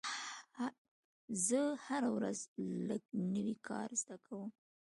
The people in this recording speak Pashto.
زه هره ورځ لږ نوی کار زده کوم.